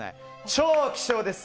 超希少です。